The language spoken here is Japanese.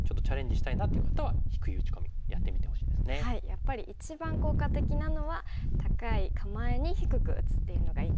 やっぱり一番効果的なのは高い構えに低く打つっていうのがいいんですね。